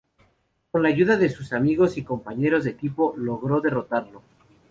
Con la ayuda de sus amigos y compañeros de equipo, logró derrotarlo.